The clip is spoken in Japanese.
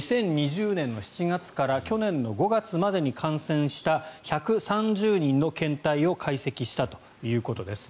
２０２０年の７月から去年の５月までに感染した１３０人の検体を解析したということです。